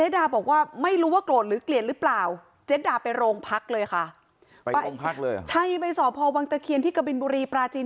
นายเอนำสมมติอายุ๔๗ปี